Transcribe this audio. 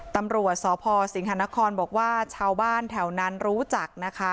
ตำรวจสพสิงหานครบอกว่าชาวบ้านแถวนั้นรู้จักนะคะ